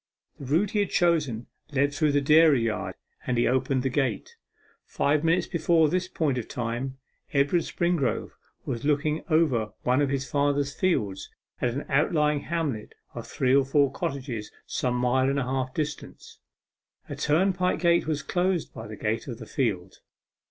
The route he had chosen led through the dairy yard, and he opened the gate. Five minutes before this point of time, Edward Springrove was looking over one of his father's fields at an outlying hamlet of three or four cottages some mile and a half distant. A turnpike gate was close by the gate of the field.